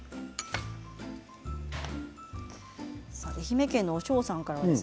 愛媛県の方です。